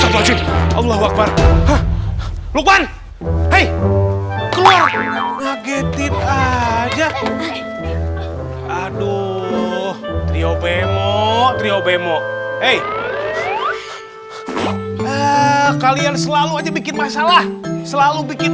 hai luar keluar ngetip aja aduh rio bemo bemo hey kalian selalu aja bikin masalah selalu bikin